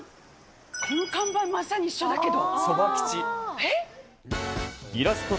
この看板、まさに一緒だけど。